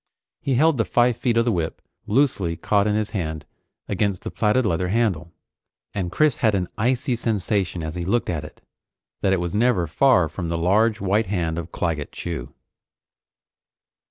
He held the five feet of the whip loosely caught in his hand against the plaited leather handle, and Chris had an icy sensation as he looked at it that it was never far from the large white hand of Claggett Chew.